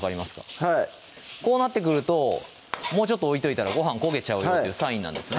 はいこうなってくるともうちょっと置いといたらご飯焦げちゃうよというサインなんですね